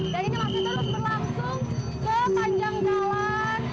dan ini masih terus berlangsung ke panjang jalan